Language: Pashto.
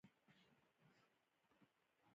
نو دغه کورنۍ د عوایدو له پلوه ډېره نابرابره ښکاري